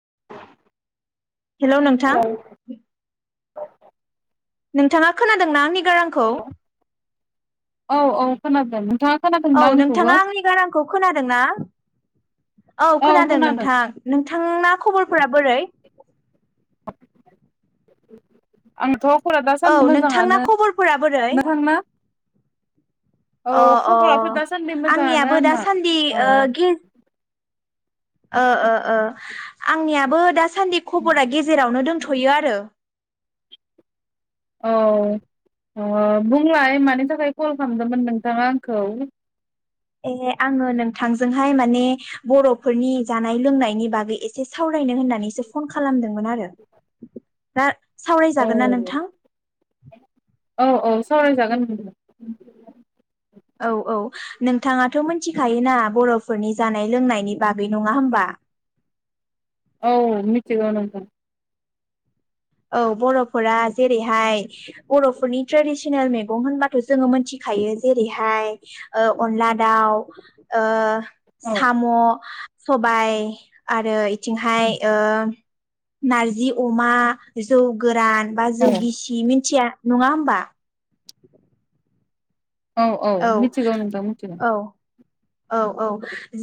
[inaudible] हेल' hello नोंथां। [inaudible] नोंथाङा खोनादों ना आंनि गारांखौ औ औ खोनादों नोंथाङा खोनादोंना औ आंनिखौबो नोंथाङा आंनि गारांखौ खोनादोंना औ खोनादों नोंथां नों नोंथांना खबरफोरा बोरै आं‌ थ' औ नोंथांना खबरफोरा बोरै नोंथांना औ अ अ खबराथ' दासान्दि मोजाङानो आंनियाबो आंना दासान्दि औ ओ गे ओ ओ आंनियाबो दा सान्दि खबरा गेजेरावनो दों थ'यो आरो औ बुंलाय मानि थाखाय कल खालामदोंमोन नोंथाङा आंखौ ए आङो नोंथांजोंहाय माने बर'फोरनि जानाय लोंनायनि बागै एसे सावरायनो होननानैसो फन खालामदोंमोन आरो दा औ सावरायजागोन ना नोंथां। औ औ सावरायजागोन। औ औ नोंथाङाथ' मिथिखायोना बर'फोरनि जानाय लोंनायनि बागै नङा होमबा। औ मिथिगौ नोंथां औ बर'फोरा जेरैहाय बर'फोरनि ट्रेडिसनेल मैगं होनबाथ' जोङो मिथिखायो जेरैहाय ओ अनला दाउ ओ औ साम' सबाइ आरो बिथिंहाय ओ नारजि अमा जौ गोरान बा जौ औ गिसि मिनथिया नङा होमबा औ औ मिथिगौ नोंथां मिथिगौ औ औ औ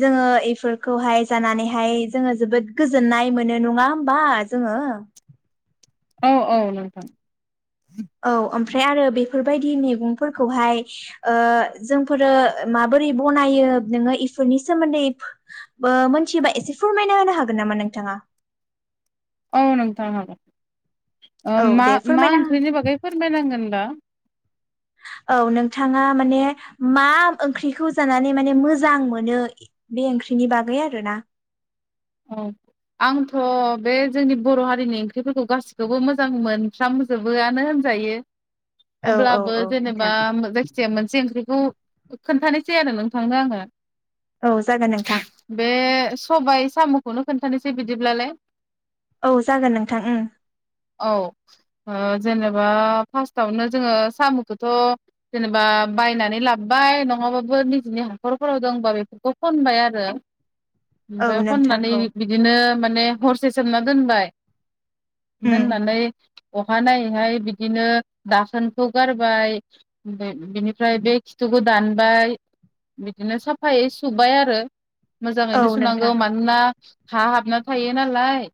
जोंङो इफोरखौहाय जानानैहाय जोंङो जोबोद गोजोननाय मोनो नङा हबा जोंङो औ औ नोंथां औ ओमफ्राय आरो बेफोरबायदि मैगंफोरखौहाय ओ जोंफोरो माबोरै बनायो नोङो इफोरनि सोमोन्दै ओ मोनथिबा एसे फोरमायना होनो हागोन नामा नोंथाङा। औ नोंथां हागोन। ओ औ मा दे मा फोरमायना हो ओंख्रिनि बागै फोरमायनांगोन। [unintelligible] औ नोंथाङा माने मा ओंख्रिखौ जानानै माने मोजां मोनो बे ओंख्रिनि बागै आरोना। औ आंथ' बे जोंनि बर' हारिनि ओंख्रिफोरखौ गासिखौबो मोजां मोनफ्रामजोबोआनो होनजायो। औ औ अब्लाबो औ जेनेबा नोंथां जायखिजाया मोनसे ओंख्रिखौ खोन्थानोसै आरो नों थांनो आङो औ जागोन नोंथां बे सबाय इस साम'खौनो खोनन्थानोसै बिदिब्लालाय औ जागोन नोंथां उम औ ओ फारस्ट आवनो जोङो सामखौथ जेनेबा बायनानै लाबोबाय नङाबाबो निजेनि हाखरफोराव दं होनबा बेफोरखौ खनबाय आरो औ नोंथां होननानै औ बिदिनो माने हरसे सोमना दोनबाय उम दौनानै अहानायनायैहाय बिदिनो दाखोनखौ गारबाय बिनिफ्राय बे खिथुखौ दानबाय बिदिनो साफायै सुबाय आरो औ मोजाङैनो सुनांगौ नोंथां मा ना हा हाबना थायो नालाय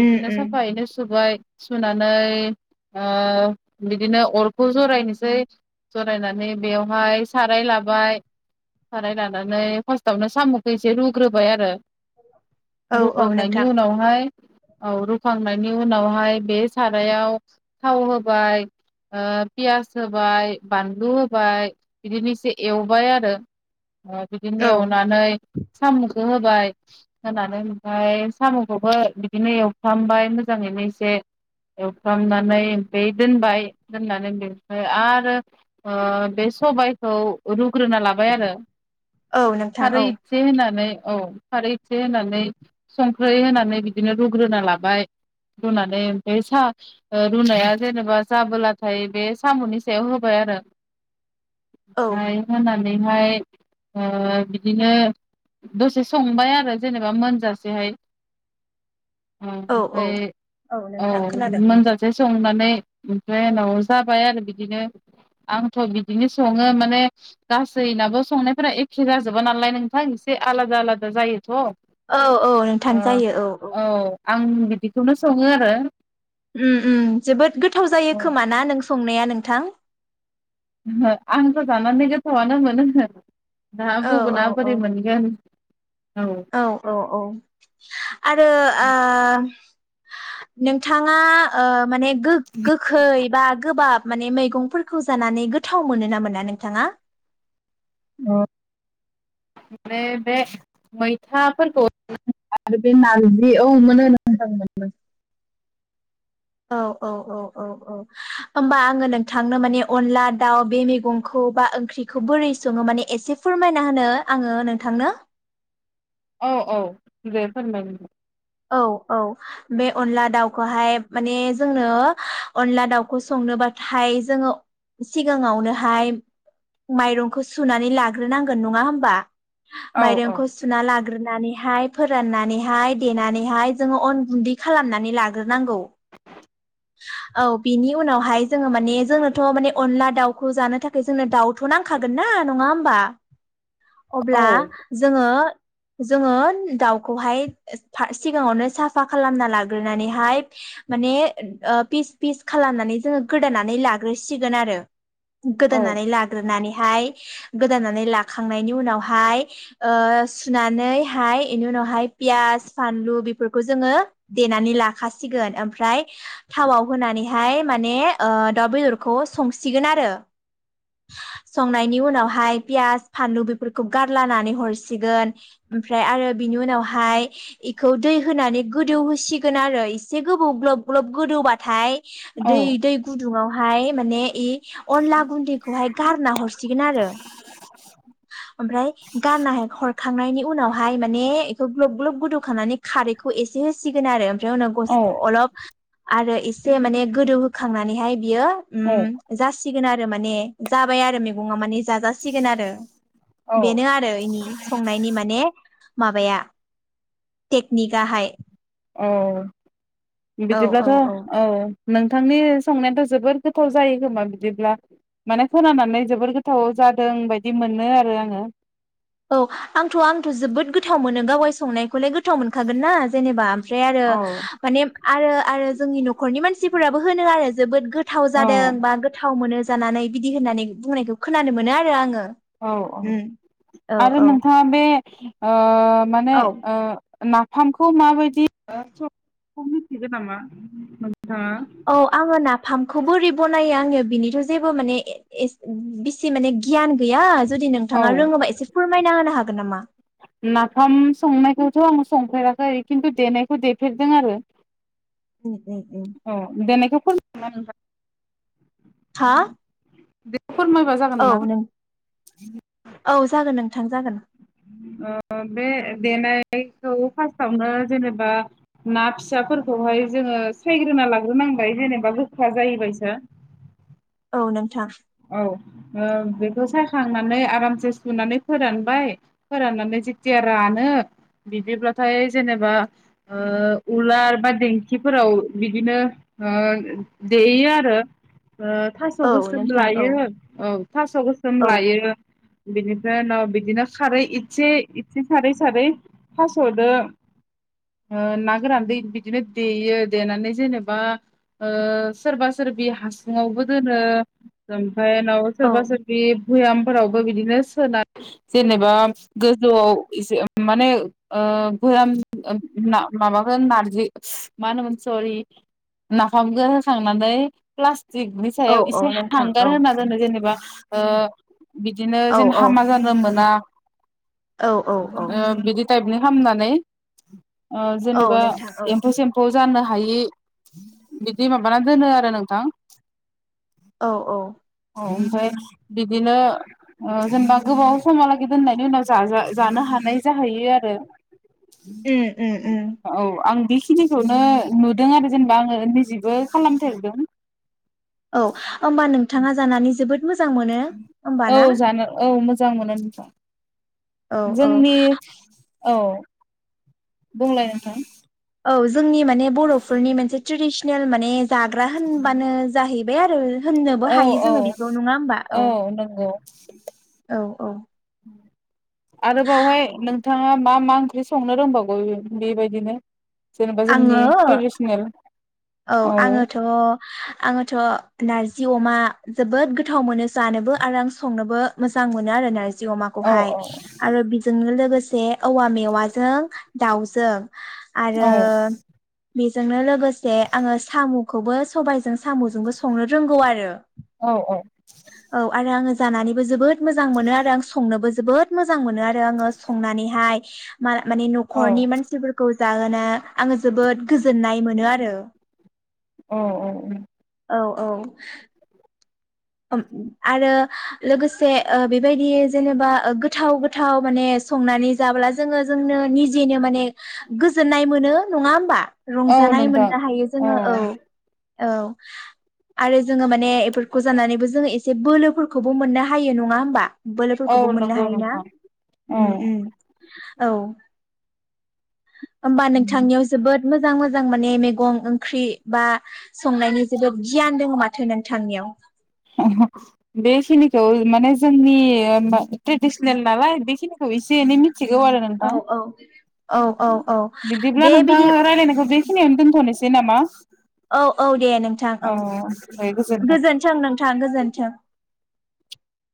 उम उम साफायैनो सुबाय सुनानै ओ बिदिनो अरखौ जरायनोसै जरायनानै बेवहाय साराय लाबाय साराय लानानै फार्स्टआवनो सामखौ एसे रुग्रोबाय आरो औ औ रुखांनायनि नोंथां उनावहाय औ रुखांनायनि उनावहाय बे सारायाव थाव होबाय ओ पियास होबाय बानलु होबाय बिदिनो एसे एवबाय आरो ओ औ बिदिनो एवनानै सामुख होबाय होनानै ओमफ्राय सामखौबो बिदिनो एवफ्रामबाय मोजाङैनो एसे एवफ्रामनानै बे दोनबाय दोननानै बेखौ आरो ओ बे सबायखौ रु ग्रोना लाबाय आरो औ नोंथां औ खारै एसे होनानै औ खारै एसे होनानै संख्रै होनानै बिदिनो रुग्रोना लाबाय रुनानै ओमफ्राय सा रुनाया जेनेबा जाबोलाथाय बे सामनि सायाव होबाय आरो औ ओमफ्राय होना [unintelligible] ओ बिदिनो दसे स संबाय आरो जेनेबा मोनजासेहाय औ ओमफ्राय औ नोंथां खोनादों उम मोनजासे संनाय [unintelligible] ओमफ्राय उनाव जाबाय आरो बिदिनो आंथ बिदिनो सङो माने गासैनाबो संनायफोरा एखे जाजोबा नालाय नोंथां एसे आलादा आलादा जायो थ औ औ नोंथाम जायो औ औ आं बिदिखौनो सङो आरो उम उम जोबोद गोथाव जायो खोमा ना नोंस संनाया नोंथां ओ आंथ जानानै गोथावआनो मोनो ना औ औ गुबुना औ बोरै मोनगोन औ औ औ आरो ओ नोंथाङा ओ माने गो गोखै बा गोबाब माने मैगंफोरखौ जानानै गोथाव मोनो ना मोना नोंथाङा बे बे मैथाफोरखौ आरो बे नारजि औ मोनो [unintelligible] मोनो औ औ औ औ औ होमबा आङो नोंथांनो माने अनला दाउ बे मैगंखौ बा ओंख्रिखौ बोरै सङो माने एसे फोरमायना होनो आङो नोंथांनो औ औ दे फोरमाय औ औ बे अनला दाउखौहाय माने जोंनो अनला दाउखौ संनोबाथाय जोङो सिगाङावनोहाय माइरंखौ सुनानै लाग्रोनांगोन नङा होमबा औ औ माइरंखौ सुना लाग लाग्रोनानैहाय फोराननानैहाय देनानैहाय जोंङो अन गुन्दै खालामनानै लाग्रोनो नांगौ औ बेनि उनावहाय जों माने जोंनो थ' माने अनला दावखौ जानो थाखाय दाव थ' नांखागोन ना नङा होम बा औ अब्ला जोङो जोङो दाउखौहाय सिगाङावनो साफा खालामना लाग्रोनानैहाय माने पिस फिस खालामनानै जोङो गोदानै लाग्रोसिगोन आरो औ गोदोनानै लाग्रोनानैहाय गोदानानै लाखांनायनि उनावहाय ओ सुनानैहाय बेनि उनावहाय पियास फानलु बेफोरखौ जोङो देनानै लाखासिगोन ओमफ्राय थावाव होनानैहाय माने दाउ बेदरखौ संसिगोन आरो संनायनि उनावहाय पियास फानलु बेफोरखौ गारलनानै हरसिगोन ओमफ्राय आरो बिनि उनावहाय इखौ दै होनानै गोदौ होसिगोन आरो एसे गोबौ ग्लब ग्लब गोदौबाथाय दै दै गुदुङाव हाय माने इ अनला गुन्दैखौहाय गारना हरसिगोन आरो ओमफ्राय गारना हरखांनायनि उनावहाय माने बेखौ ग्लब ग्लब गोदौखांनानै खारैखौ एसे होसिगोन आरो ओमफ्राय उनाव औ अलप आरो एसे माने गोदौ होखांनानैहाय बियो उम औ जासि सिगोन आरो माने जाबाय आरो मैगङा माने जाजासिगोन आरो बेनो आरो इनि संनायनि माने माबाया टेकनिक आहाय अ बिदिब्लाथ' औ नोंथांनि संनायाथ' जोबोर गोथाव जायो खोमा बिदिब्ला माने खोनानानै जोबोर गोथाव जादों बायदि मोनो आरो आङो औ आंथ' आंथ' जोबोद गोथाव मोनो गावागाय संनायखौलाय गो थाव मोनखागोन ना जेनेबा ओमफ्राय आरो औ माने आरो आरो जोंनि न'खरनि मानसिफोराबो होनो आरो जोबोद गो गोथाव जादों औ बा गोथाव मोनो जानानै बिदि होननानै बुंनायखौ खोनानो मोनो आरो आङो । औ औ आरो नोंथाङा बे बे ओ माने औ ओ नाफामखौ माबायदि [unintelligible] मिथिगौ नामा नोंथाङा? औ आङो ना [unintelligible] खौ बोरै बनायो आङो बिनिथ' जेबो माने बिसि माने गियान गैया जुदि औ नोंथाङा रोङोबा एसे फोरमायना होनो हागोन नामा नाफाम संनायखौथ' आं संफेराखै खिन्थु देनायखौ देफेरदों आरो उम उम उम औ देनायखौ [unintelligible] [unintelligible] हा बे औ नों औ जागोन नों थां जागोन बे देनायखौ फास्टावनो जेनेबा ना फिसाफोरखौहाय जोङो सायग्रोना लाग्रोनांबाय जेनेबा गोखा जाहैबायसा औ नोंथां औ बेखौ सायाखांनानै आरामसे सुनानै फोरानबाय फोराननानै जेथिया रानो बिदिब्लाथाय जेनेबा उलार बा देंखिफोराव बिदिनो देयो आरो ओ थास' औ गोसोम नोंथां लायो औ थास' गोसोम औ लायो बिनिफ्राय उनाव बिदिनो खारै इसे इसे सारै सारै थास'दो ना गोरान बिदिनो देयो देनानै जेनेबा सोरबा सोरबि हासुङावबो दोनो [unintelligible] [unintelligible] औ सोरबा सोरबि भयामफोरावबो बिदिनो सोना जेनेबा गोजौआव एसे माने भयाम माबाखौ नारजि मा होनोमोन सरि नाफामखौ होखांनानै प्लास नि औ सायाव औ इसे नोंथां हांगार औ होना दोनो जेनेबा ओ बिदिनो औ जेन औ हामा जानो मोना औ औ औ ओ बिदि टाइपनि खालामनानै आ औ जेनेबा नोंथां औ एम्फौ सेम्फौ जानो हायि बिदि माबानानै दोनो आरो नोंथां औ औ औ ओमफ्राय बिदिनो जेनेबा गोबाव समहालागै दोननायनि उनाव जानो हानाय जाहैयो आरो उम उम औ आं बेखिनिखौनो नुदों आरो जेनेबा आङो निजेबो खालामफेरदों औ होमबा नोंथाङा जानानै जोबोद मोजां मोनो होमबा औ ना जानो औ मोजां मोजां मोनो नोंथां। औ औ जोंनि औ। बुंलाय नोंथां औ जोंनि माने बर'फोरनि मोनसे ट्रेडिसनेल माने जाग्रा होनबानो जाहै बे आरो होननोबो औ हायो औ जोङो बेखौ नङा होमबा औ। औ औ। आरो बावहाय नोंथाङा मा मा ओंख्रि संनो रोंबावगौ बेबायदिनो? जेनेबा आङो जोंनि ट्रेडिसनेल औ आङोथ' आङोथ' ना नारजि अमा जोबोद गोथाव मोनो जानोबो आरो आं संनोबो मोजां मोनो आरो ना जि औ अमाखौहाय आरो बेजोंनो लोगोसे जे औवा मेवाजों दाउजों [unintelligible] आरो औ बेजोंनो लागो से आङो सामु खौबो सबायजों सामुजोंबो संनो रोंगौ आरो। औ औ। औ आरो आङो जानानैबो जोबोद मोजां मोनो आरो आं संनोबो जोबोद मोजां मोनो आरो आङो संनानैहाय मा माने न'खरनि औ मानसिफोरखौ जाहोना आङो जोबोद गोजोननाय मोनो आरो। औ औ औ। औ औ [unintelligible] ओम आरो लोगोसे ओ बेबायदि जेनेबा ओ‌ गोथाव गोथाव माने संनानै जाब्ला जोङो जोंनो निजेनो माने गोजोननाय मोनो नङा होमबा? औ रंजानाय नोंथां मोननो हायो जोङो औ। औ आरो जोङो माने एफोरखौ जानानैबो जोङो एसे बोलोफोरखौबो मोननो हायो नङा होमबा? औ बोलोफोरखौबो मोननो नंगौ हायोना? नोंथां औ ओम ओम । औ ओमबा नोंथांनियाव जोबोद मोजां मोजां माने मेगं ओंख्रि बा संनायनि जोबोद गियान दङ माथो नोंथांनियाव बेखिनिखौ माने जोंनि ओम ट्रेडिसनेल नालाय बेखिनिखौ एसे एनै मिथ थिगौ आरो नोंथां औ औ औ दे बिदिब्ला नोंथां बिदि रायलायनायखौ बे खिनियावनो दोनथ'नोसै नामा औ औ दे नोंथां औ दे गोजोनथों गोजोन्थों नोंथां गोजोन जोनथों